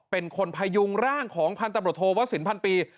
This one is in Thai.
เป็นคนพยุงร่างของพันตำรวจโทวสินพันปี